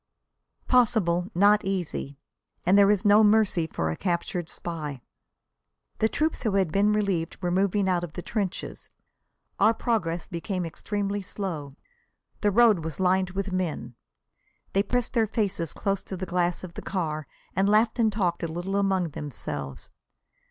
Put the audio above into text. Possible, not easy. And there is no mercy for a captured spy. The troops who had been relieved were moving out of the trenches. Our progress became extremely slow. The road was lined with men. They pressed their faces close to the glass of the car and laughed and talked a little among themselves.